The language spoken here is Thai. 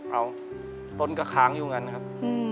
เอาต้นก็ค้างอยู่งั้นครับ